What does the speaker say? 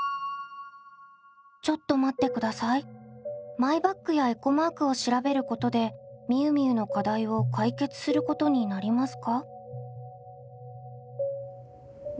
マイバッグやエコマークを調べることでみゆみゆの課題を解決することになりますか？